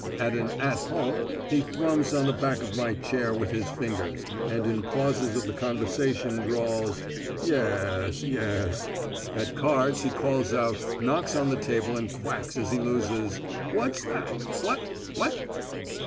At an "at home" he thrums on the back of my chair with his fingers, and in pauses of the conversation drawls, "y e s, y es." At cards he calls out, knocks on the table and quacks as he loses: "What's that? What? What?"